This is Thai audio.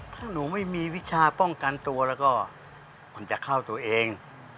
ถ้าหนูไม่มีวิชาป้องกันตัวแล้วก็มันจะเข้าตัวเอง